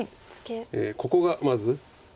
ここがまず。